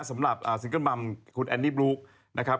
สำหรับซิงเกิ้ลบำคุณแอนนี่บลูกนะครับ